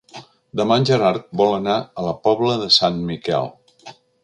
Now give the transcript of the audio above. Demà en Gerard vol anar a la Pobla de Sant Miquel.